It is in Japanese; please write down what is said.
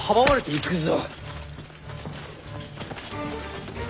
行くぞ。